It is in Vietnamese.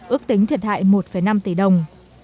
ước tính thiệt hại một năm tỷ đồng